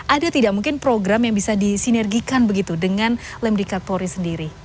ada tidak mungkin program yang bisa disinergikan begitu dengan lemdikat polri sendiri